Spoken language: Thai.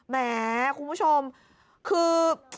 แหมคุณผู้ชมคือ